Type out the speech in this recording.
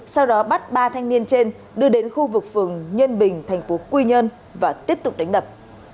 sau đó bắt ba thanh niên trên đưa đến khu vực phường nhân bình thành phố quy nhơn và tiếp tục đánh đập